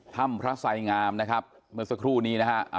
ถ้ำพระไสงามนะครับเมื่อสักครู่นี้นะฮะ